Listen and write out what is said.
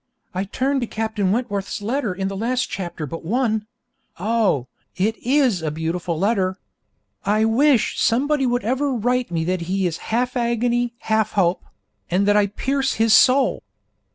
I turned to Captain Wentworth's letter in the last chapter but one oh, it is a beautiful letter! I wish somebody would ever write me that he is 'half agony, half hope,' and that I 'pierce his soul.'